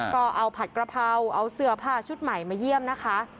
ก็เอาผัดกระเพราเอาเสื้อผ้าชุดใหม่มาเยี่ยมนะคะ